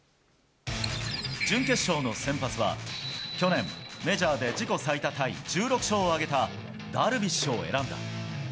準決勝の先発は、去年、メジャーで自己最多タイ１６勝を挙げたダルビッシュを選んだ。